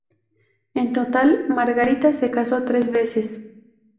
En total, Margarita se casó tres veces.